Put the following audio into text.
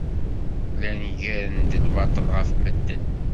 Llan ggaren-d lbaṭel ɣef medden.